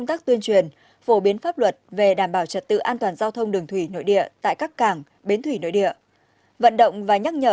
tuyên truyền nhắc nhở nhất là vào thời gian mua lũ này